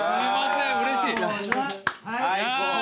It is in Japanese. うれしい。